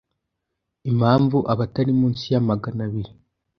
Impamvu 'abatari munsi ya magana biri